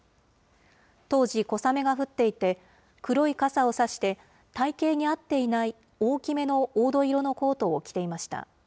当時、小雨が降っていて、黒い傘を差して、体形に合っていない大きめの黄土色のコートを着ていました。